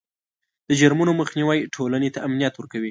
د جرمونو مخنیوی ټولنې ته امنیت ورکوي.